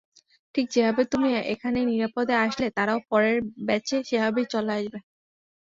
ঠিক যেভাবে তুমি এখানে নিরাপদে আসলে, তারাও পরের ব্যাচে সেভাবেই চলে আসবে।